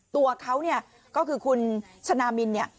ตัวเขาเนี่ยก็คือคุณชนะมินเนี่ย